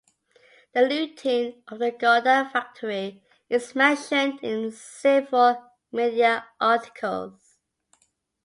The looting of the Goda factory is mentioned in several media articles.